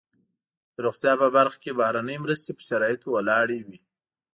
د روغتیا په برخه کې بهرنۍ مرستې پر شرایطو ولاړې وي.